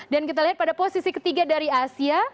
dan kita lihat pada posisi ketiga dari asia